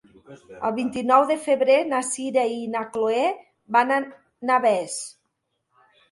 El vint-i-nou de febrer na Sira i na Chloé van a Navès.